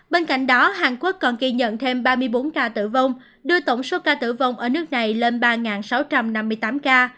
bên cạnh đó hàn quốc còn ghi nhận thêm ba mươi bốn ca tử vong đưa tổng số ca tử vong ở nước này lên ba sáu trăm năm mươi tám ca